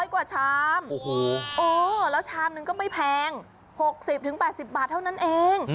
กว่าชามแล้วชามนึงก็ไม่แพง๖๐๘๐บาทเท่านั้นเอง